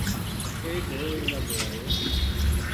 ایک گھوڑو اِنگاں دوڑایو